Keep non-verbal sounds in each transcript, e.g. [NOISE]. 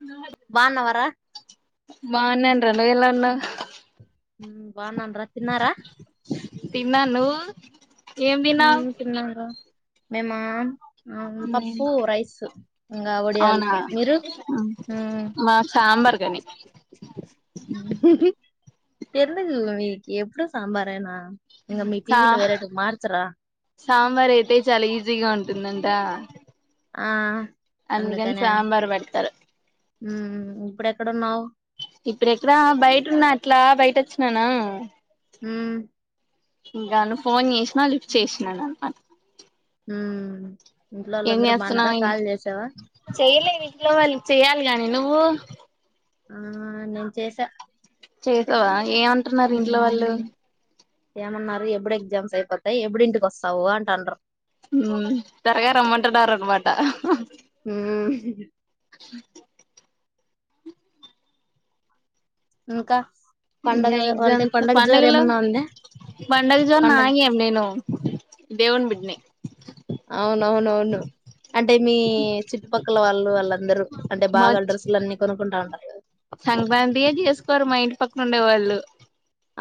న బాన్నావరా బాగున్నాను రా నువ్వెలా ఉన్నావ్ ఊ బాగున్నాను రా తిన్నారా తిన్నాను నువ్వు ఏం తిన్నావ్ ఊ తిన్నాన్ ‌రా మెమా ఆవును పప్పు రైస్ ఇంగా వడియలు అవునా మీరు ఊ మా సాంబార్ కాని ఎందుకు మీకి ఎప్పుడు సాంబారేనా ఇంగ మీ సా పిజీలో వేరేటివి మార్ సాంబార్ అయితే చాలా ఈజీగా ఉం టుందంటా ఆ అందుకనా సాంబార్ పెడతారు ఊ ఇప్పుడ క్కడున్నావ్ ఇప్పుడెక్కడ బయటున్నా అట్లా బయట వచ్చిననా ఊ ఇంకా నువ్ ఫోన్ చేసినా లిఫ్ట్ చేసినాననమాట హ్మ్ ఇంట్లో వాళ్ళందరూ బాన్నరా కాల్ చేశావా? ఇంట్లోవాళ్లకి చెయాలిగానే నువ్వు. ఆ నేను చేశా చేశావా ఏమంటున్నారు ఇంట్లో వాళ్ళు? ఏమన్నారు ఎప్పుడు ఎగ్జామ్స్ ఐపోతాయి ఎప్పుడు ఇంటికి వస్తావు అంటాండ్రు. త్వరగా రమ్మంటున్నారు అనమాట హ్మ్ [INAUDIBLE] ఇంకా పండగ ఇంకా అంటే ఎగ్జామ్స్ పండగ జోరు పండగలో ఏమన్నా ఉందా పండగ జోర్ నాగేం నేను దేవుని బిడ్ని. నో అంటే మీ చుట్టుపక్ పక్కల వాళ్ళు వాళ్ళందరూ అంటే మా బాగా డ్రెస్సులు అన్ని కొనుక్కుంటా ఉంటారు కదా కుంటారు మా ఇంటి పక్కన ఉండేవాళ్ళు.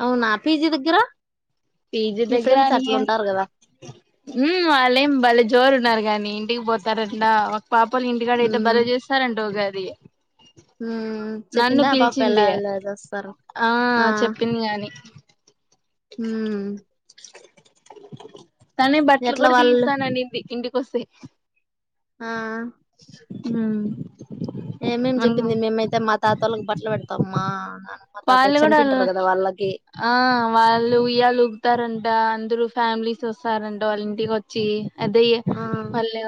అవునా పీజీ దగ్గర? పీజీ మీ దగ్గర ఫ్రెండ్స్ అని అట్లా ఉంటారు కదా హామ్ వాళ్ళేం వాళ్ళ జోరు ఉన్నారు గాన్ ని ఇంటికి పోతారంట. పాపోల్ల ఇంటికాడ అయితే బలే చేస్తారంట ఉగాద్ ది హ్మ్ చెప్పిందా ఆ పాప ఎలా పిలిచింది ఎలా చేస్తారో? ఆ చెప్పింది గాని హ్మ్ [INAUDIBLE] తనే బట్టలు ఎట్లా కూడా వాళ్ళు తీస్తాననింది ఇంట్ బస్సే ఆ హ్మ్ ఏమేం చెప్పింది మేమైతే మా తాతోళ్ళకి బట్టలు పెడతాం మా నానమ్మ వాళ్ళు కూడా మ్ అందరు ఫ్యామిలీస్ వస్తారంటా, వాళ్ళ ఇంటికొచ్చి అదీ ఆ మళ్ళా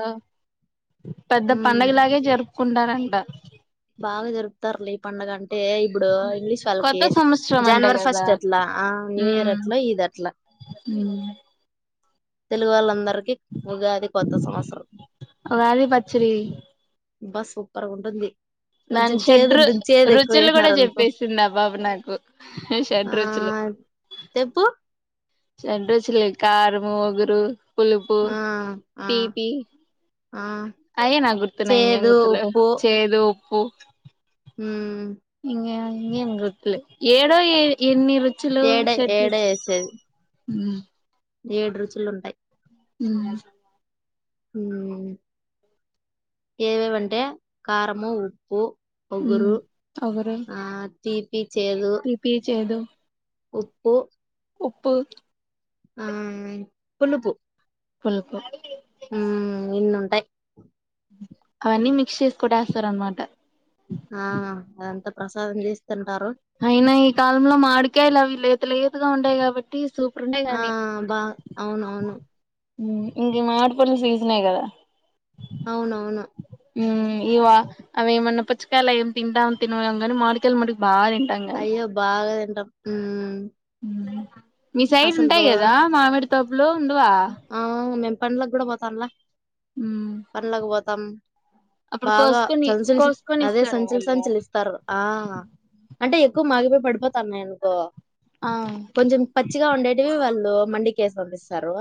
పెద్ద మ్మ్ పండగలాగే జర్ కుండరంట బాగా జరుపుతారులే ఈ పండగ అం టే ఇప్పుడు ఇంగ్లీష్ కొత్త వాళ్ళకి సంవత్సరం అంట జనవరి కదా ఫస్ట్ ఎట్లా ఆ న్యూ ఇయర్ ఉమ్ ఎట్లో ఇదట్లా ఉమ్ తెలుగు వాళ్ళందర్ ఉగాది కొత్త సంవత్సరం ఉగాది పచ్చడి అబ్బా సూపర్గుంటుంది నాన్ షడ్ రు షడ్రు రుచులు కూడా వేసినారు అనుకో చెప్పేసింది ఆ పాప నాకు ఆ షడ్రుచులు చెప్పు షడ్రు రుచులే కారము వగురు పలుపు, ఆ ఆ తీపి ఆ అయ్య నా గుర్తున్నాయి ఇంగేం చేదు గుర్తులేవ్ ఉప్పు చేదు ఓ ఉమ్ ఇంగ ఇంకేం గుర్తు లే ఏడో ఎన్ని రుచులు ఏడ ఏడ ఎసేది ఉ ఏడు రుచులు ఉంటాయ్ ఉమ్ ఉ ఉమ్ ఏవేవంటే కారము, ఉప్ పూ మ్ వొగురు ఒగరు ఆ తీ తీపి ఈ చేదు ఉప్ ఉప్పు ఆ పులుపు పుల్కు ఊ ఇన్ను ఉంటయి అవన్నీ మిక్స్ చేసుకు కొటేస్తారు అనమాట ఆ అదంత ప్రసాదం చేస్ అయినా ఈ కాలంలో మాడికాయలు అవి లేత లేతగా ఉంటాయి కాబట్టి సూప్ ఆ బా అవునవును ఇం మావిడిపండ్ల సీజనే కదా అవునవును ఇవా అవి ఏమన్నా పుచ్చకాయలు ఏమి తింటాం తినమే కాని మాడికాయలు మటుకి బాగా అయ్యో బాగా తింటాం ఉ మీ సైడ్ ఉంటాయి కదా మామిడి తబ్లో ఆవు మెం పండ్లకు కూడా పోతానలా హ్మ్ తమ్ బాగా సంచల్ సంచ్ కోసుకొని అదే ఇస్తారు సంచల వాళ్ళు సంచలిస్తారు ఆ అంటే ఎ మాగిపోయి పడిపోతాన్నాయినుకో ఆ మంచిగా ఉండేటివి వాళ్ళు మండికెసి పంపిస్తారు.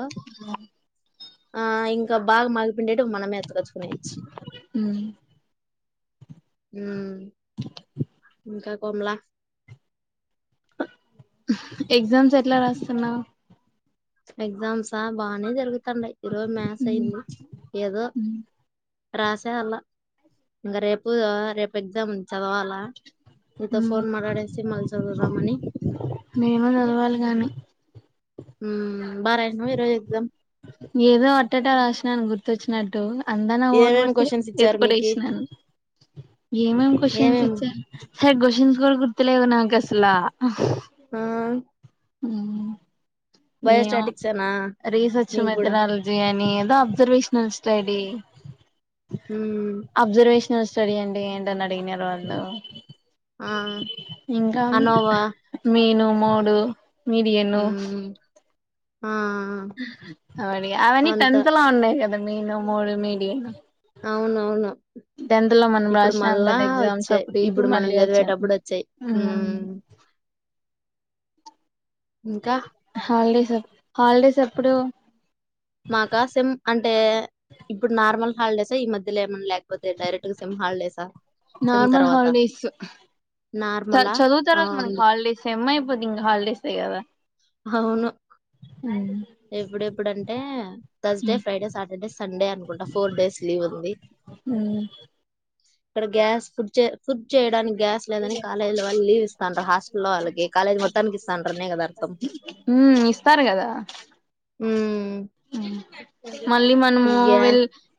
ఆ ఆ ఇంకా బాగా మల్ ఉండటివి మనమే ఎత్తుగొచ్చుకునేచ్చు ఉమ్ ఉమ్ ఇంకా కొమలా ఉహుం ఎగ్జామ్స్ ఎట్లా రాస్తున్నావు. ఎగ్జామ్సా బాగానే జరుగుతు తున్నాయి. ఈరోజు మ్యాస్ అయింది. ఉమ్ ఏదో రాసేయాల ఇంగా రేపు రేపు ఎగ్జామ్ ఉంది చదవాలా. నీతో ఫోన్ మెయిడేసి మల్లి చదువుదాం అని నేను చదవాలి గాని ఉమ్ బారాషినవా ఈరోజు ఎగ్జామ్ ఏదో అట్టట రాసినని గుర్తొచ్చినట్టు అందా నా ఓన్ ఏమేమి వర్డ్సే క్వశ్చన్స్ ఇచ్చారు మీకి ఎత్తిపడేసినను హే ఏమేమి క్వశ్చ ఇంకా గుర్తులేవు నాకు అసల ఆ ఉమ్ ఉమ్ ఏమో బయోస్టాటిక్సేనా రీసర్చ్ మీకు గూడా మెథడాలజీ లేదు అబ్జర్వేషనల్ స్టడి ఉమ్ నా స్టడీ అంటే ఏంటని అడిగినారు. వాళ్ళు ఆ ఇంకా అనోవా మీను మూడు మీది ఎన్ను మ్మ్ ఆ అవన్నీ అవన్నీ అవంతా టెన్త్ లో ఉన్నాయి కద మీను మోడ్ మీడియాను అవునవును టెన్త్ లో మనం ఇప్పుడు రాస్నిమ్ మళ్ళా కదా ఎగ్జామ్స్ వచ్చాయి అప్పుడు ఇప్పుడు మనం మళ్ళీ వచ్చాన్, చదివేటప్పుడు వచ్చాయి హు మ్మ్ ఇంకా హల్డేస్ ఎప్ హల్డేస్ ఎ ప్పుడు మాకా సెమ్మ్ అంటే, ఇప్పుడు నార్మల్ హాల్డేసె ఈ మధ్యలో ఏమన్ లేకపోతే డైరెట్ట్ గ సెమ్ హాల్డేసా. నార్మల్ హాల్ డేస్, చ నార్మలా చదువుతనామ్ మనం అవును హాల్డేస్ సెమ్మెయిపొద్ది ఇంగ హాల్డేసే కదా. అవును. ఎప్పుడ్ ఎప్పుడంటే థస్స్డె, ఫ్రైడే, సాటడ్డే, సండే అనుకుంటా ఫోర్ డేస్ లీవ్ ఉంది. ఇక్కడ గ్యాస్ ఫుడ్జె ఫుడ్ చేయడాని గ్యాస్ లేదని కాలేజీ లో వాళ్ళు లీవ్ ఇస్తాంట హాస్టల్లొ వాళ్లకి కాలేజ్ మొత్తానికి ఇస్సా అంట్రర్ నే కదా అర్ త్తం. ఊ హు మళ్ళీ మ ఈగా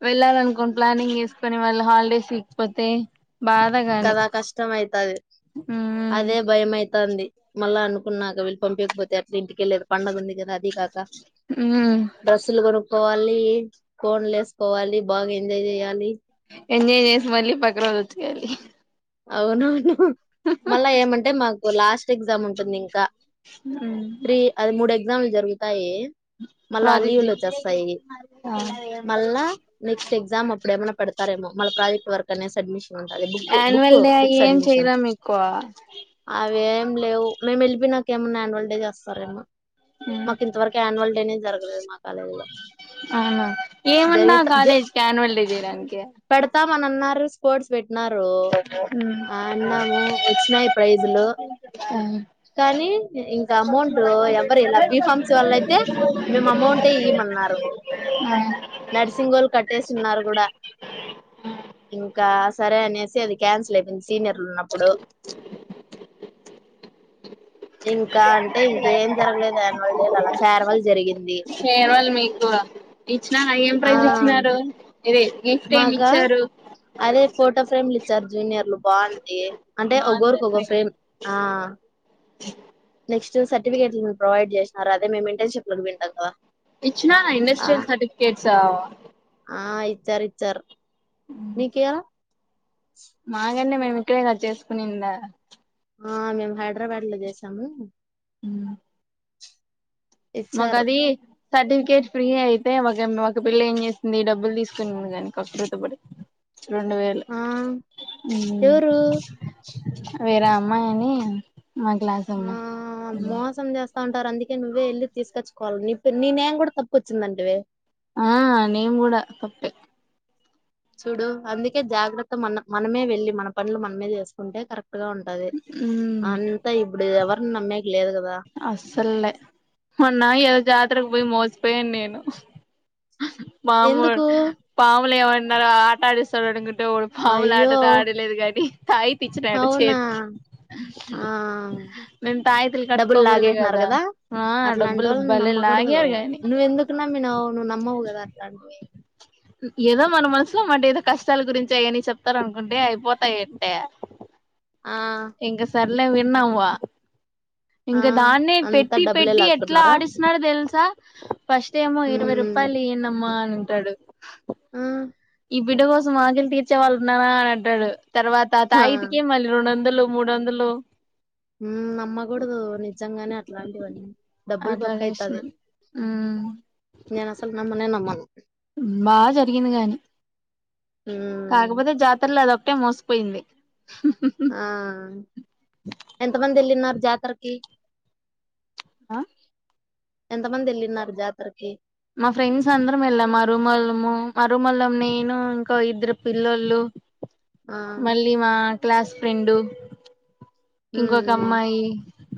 వెళ్ళాలన్కోన్ ప్లానింగ్ ఏస్కొని వాళ్ళ హాల్డేస్ ఈక్ పోతే కదా కష్టం ఐతది, ఉమ్ అదే భయమైయ్ తంది మళ్ళా అనుకున్నాక వీళ్ళు పంపియక్ పొతె ఎట్ల ఇంటికెలేదు పండగ ఉంది కదా అది కాక ఉ కోవాలి కోన్లేసుకోవాలి బాగా ఎంజాయ్ చేయాలి. ఎంజాయ్ చేసి మళ్ళీ పక్క రోజు వచ్చేయాలి. అవున్ అవును హు మళ్ళా ఏమంటే మాకు లాస్ట్ ఎగ్జామ్ ఉం టుంది ఇంకా హు గ్జామ్లు జరువుతాయి. మల్లా ఆలీవ్లు ది వచ్చేస్సాయి, మల్లా నెక్స్ట్ ఎగ్జామ్ అప్పుడు ఎమన్న పెడతారేమో మల్ల ప్రాజెక్ట్ వర్క్ అనేసి సడ్మిషన్ ఉంటాది బుక్కు బు వెల్ డే ఏం చెయ్యరా మీకో వేం లేవ్ మేము ఎళ్ళి పెయినాక ఏమన్నా యాన్ వ్వల్ డే చేస్సారేమో. మాక్ ఇంతవరకు యాన్యవల్ డే నే జరగలేద్ మా కాలేజీ లో అవునా ఏవుంద ఆ జరిగితే కాలేజ్కి కాన్వల్ డే జేయడాన్కి మొన్న అన్నారు స్పోర్ట్స్ పె న్నారు ఆన్నాము వచ్చినాయ్ ప్రైజులు, కానీ ఇంకా అమౌంట్ ఎవ్వరీలా బి ఫామ్సీ వాళ్ళైయితే, మేమ్ అమౌంటే ఇయిమన్నారు. నర్సింగొల్ కట్టేసిన్నారు కూడా, ఇంకా సరే ననేసి అది క్యాన్సిల్ అయ్ పెన్స్ సీనియర్లు ఉన్నప్పుడు ఇంకా అంటే ఇంకేం జరగలేదు యాన్యువల్ డే అలా ఫేర్వెల్ జరిగింది [INAUDIBLE] ఫేర్వెల్ మీకు ఇచ్చిన ఏం ఆ ప్రైజ్ ఇచ్చినారు ఇదే గిఫ్ట్ ఏమి మాగా ఇచ్చారు అదే ఫోటో ఫ్రేమ్లు ఇచ్చారు జూనియర్లు బాగుంటాయి అంటే ఒక్కరికి ఓ బాగుంది ఫ్రేమ్ ఆ నెక్స్ట్ సర్టిఫికేట్లు ప్రొవైడ్ చేసినారు అదే మేము ఇంటెన్ షిప్పులు వింటాం కదా ఇచ్చనా ఆ ఇండస్ట్రియల్ సర్ఫికెట్స్ ఆ.. ఇచ్చారు ఇచ్చారు నీకు ఇయ్యాల మా ఈ అందే మేము ఇక్కడే హార్ట్ చేసుకునిందా ఆ మేము హైదరాబాద్ లో చేసాము ఊ మకు ఇచ్చారు అది సర్టిఫికేట్ ఫ్రీ అయితే ఒక ఒక పిల్ల ఏం చేసింది డబ్బులు తీసుకునిగాని కక్కుర్తి పడి రెండు వేలు ఆ ఉహు ఎవరు వేరే అమ్మాయి అని మా క్లాస్ ఆ అమ్మాయి హు మోసం చేస్తా ఉంటారు అందుకే నువ్వే వెళ్ళి తీసుకొచ్చుకోవాలి నీ పె ని నేమ్ కూడా తప్పుకు వచ్చిందంటివి ఆ నేమ్ కూడా తప్పే చూడు అందుకే జాగ్రత్త మన మనమే వెళ్ళి మన పనులు మనమే చేసుకుంటే కరెక్ట్ అన్నట్టుగా ఉంటది అంతా ఇప్పుడు ఎవరిని నమ్మేక లేదు కదా అస్సల్లే మొన్నా ఏదో జాతరకు పోయి మోసపోయాను నేను వామ్మో ఎందుకు పాములు ఏమంటే నాదో ఆట ఆడిస్తాడు అను అటు ఎవడు పాములు ఆట అయ్యో దడి లేదు కానీ తాయిత్తు ఇచ్చినాడు అవునా చేతికి ఆ నేను తాయితలు కట్టు డబ్బులు లాగేసినారు కదా అట్లాంటి ఒళ్ళని భలే అనమ్మకూడదు లాగారు గాని నువ్వు ఎందుకు నమ్మినావు నువ్వు నమ్మవు కదా అట్లాంటివి ఏదో మన మనసులో మట ఏదో కష్టాల గురించి ఆయన్ని చెప్తార అనుకుంటే అయిపోతాయిట్టే ఆ లే విన్నా అవ్వా ఆ ఇంక దాన్నే అంతా పెట్టి డబ్బులే పెట్టి ఎట్లా లాక్కున్నారా ఆడిస్తున్నాడో తెలుసా స [UNINTELLIGIBLE] ఫస్ట్ యేమో ఇరావై ఉమ్ రూపాయలు యియండమ్మ అన్ అంటాడు హు ఈ బిడ్డ కోసం ఆకలి తీర్చేవాళ్ళున్నార అని అంటూడు తర్వాత ఆ తాయిత్ కే మళ్ళీ రెండు వందలు మూడోందలూ ఊమ్ నమ్మకూడదు నిజంగానే అట్లాంటివన్నీ డబ్బులు అట్లా బొక్క అయితది చేసినాను ఉమ్ నేను అసలు నమ్మనే నమ్మను ఉం బా జరిగింది గాని ఉమ్ కాగపోతే జాతరలో అద్ ఇట్టే మోసపోయింది ఆ ఎంత మంది ఎళ్ళినార్ జాతరకి ఆ ఎంత మంది ఎళ్ళిన్నారు జాతరకి మా ఫ్రెండ్స్ అందరం వెళ్ళం మా రూమోలము మారూమోలం నేను ఇంకా ఇద్దరు పిల్లోలు ఆ మళ్ళీ మా క్లాస్ ఫ్రెండు ఇంకొక ఉమ్ అమ్మాయి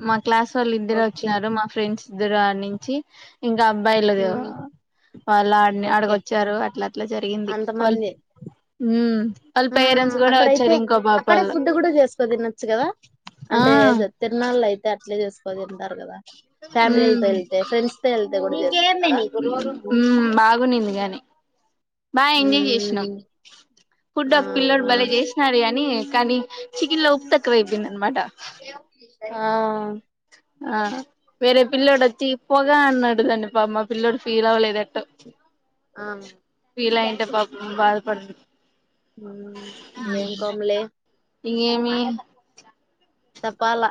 మక్ క్లాస్ వాళ్ళు ఇద్దరు ఓకే వచ్చినారు మా ఫ్రెండ్స్ దూరనించి ఇంకా అబ్బాయిలదే ఉమ్ వాళ్ళు ఆడిని ఓకే ఆడగొచ్చారు అట్లా అట్లా జరిగింది వాల్ ఊమ్ ఊమ్ అక్కడయితే అక్కడే ఫుడ్ కూడా చేసుకో తినొచ్చు కదా ఆ అంటే ఏద్ తిరున్నా మళ్ళ అయితే అట్లే చేసుకోని తింటారు గదా వెళ్తే కూడా ఊమ్ చేసుకుంటారా ఊమ్ బాగునింది గాని బాగా ఎంజాయ్ చేసినాం ఉమ్ ఫుడ్ ఆ ఒక పిల్లడు భలే చేసినాడే అని కానీ చికెన్ లో ఉప్ తక్కువై పోయిందనమాట ఆ ఆ వేరే పిలొడోచ్చి పోగాన్నడు కని ఆ పిల్లోడు పాపం ఫీల్ అవలేదేటో ఆ పాపం బాదపడ్ ఉమ్ ఏమ్ కొమ్ లే [INAUDIBLE] ఇగేమీ చెప్పాల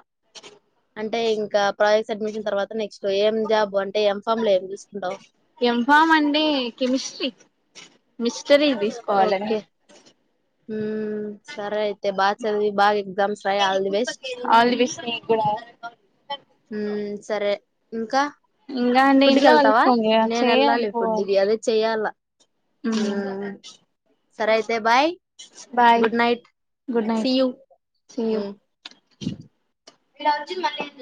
అంటే ఇంకా ప్రాజెక్ట్స్ అడ్మిషన్ తర్వాత, నెక్స్ట్ ఏం జాబ్ అంటే ఏం ఫమ్ లేం జూస్ ఎంఫా మండే కెమిస్త్రీ మిస్ చర్యలు తీసుకోవాలండి మ్ సరె అయితే బా చద్వి బా ఆల్ ది బెస్ట్ [UNINTELLIGIBLE] ఉం సరే ఇంకా ఇంగ అండి ఫుడ్ కి ఇంట్లో వెళ్తావా వర్కంది నేను చేయాలి ఫొ మ్ సరే తే bye bye good night good see night you మీరు అర్జున్ మల్ల